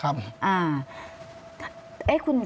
ไม่รู้ครับ